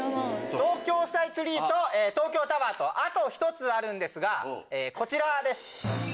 東京スカイツリーと東京タワーとあと１つあるんですがこちらです。